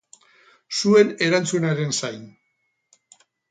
Zuen erantzunaren zain.